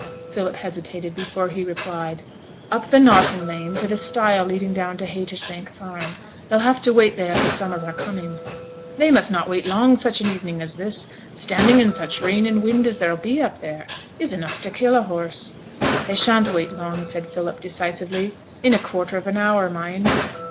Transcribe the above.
Philip hesitated before he replied 'Up the Knotting Lane, to the stile leading down to Haytersbank Farm; they'll have to wait there for some as are coming.' 'They must not wait long such an evening as this; standing in such rain and wind as there'll be up there, is enough to kill a horse.' 'They shan't wait long,' said Philip, decisively: 'in a quarter of an hour, mind.'